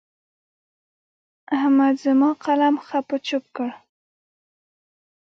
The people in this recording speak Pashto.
احمد زما قلم خپ و چپ کړ.